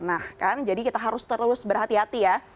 nah kan jadi kita harus terus berhati hati ya